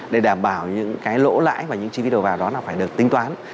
để đảm bảo những cái lỗ lãi và những chi phí đầu vào đó là phải được tính toán